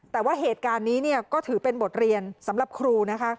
แต่ว่าเหตุการณ์นี้ก็ถือเป็นบทเรียนสำหรับครูนะคะ